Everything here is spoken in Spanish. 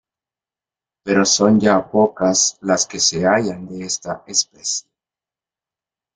Pero son ya pocas las que se hallan de esta especie.